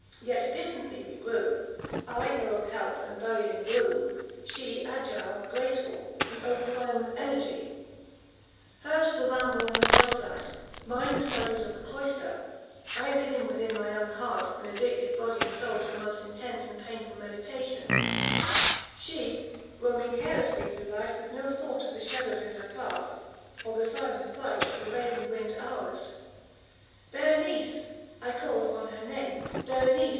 Yet differently we grew—I, ill of health, and buried in gloom—she, agile, graceful, and overflowing with energy; hers, the ramble on the hill side—mine the studies of the cloister; I, living within my own heart, and addicted, body and soul, to the most intense and painful meditation—she, roaming carelessly through life, with no thought of the shadows in her path, or the silent flight of the raven winged hours. Berenice!—I call upon her name—Berenice!